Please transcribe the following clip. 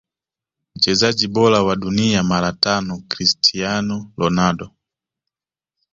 Mchezaji bora wa dunia mara tano Cristiano Ronaldo